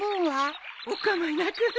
お構いなく。